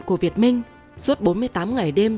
của việt minh suốt bốn mươi tám ngày đêm